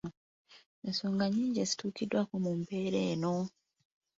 Ensonga nnyingi ezituukiddwako mu mbeera eno.